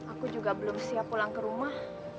aku juga belum siap pulang ke rumah